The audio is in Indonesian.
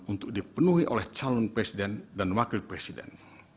untuk dipenuhi oleh calon presiden dan wakil presiden